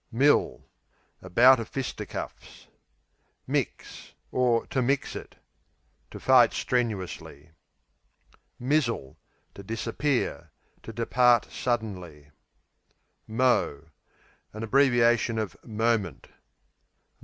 Mill A bout of fisticuffs. Mix To mix it; to fight strenuously. Mizzle To disappear; to depart suddenly. Mo An abbreviation of "moment."